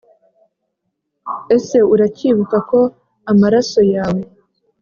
ese uracyibuka ko amaraso yawe